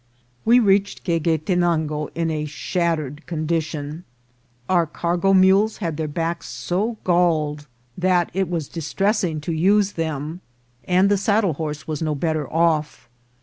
We reached Gueguetenango in a shattered condition. Our cargo mules had their backs so galled that it was 228 INCIDENTS OP TRAVEL. distressing to use them ; and the saddle horse was no better off.